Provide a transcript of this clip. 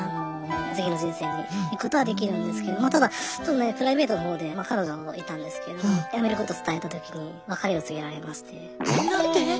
次の人生に行くことはできるんですけどただちょっとねプライベートの方で彼女いたんですけども辞めることを伝えた時に別れを告げられまして。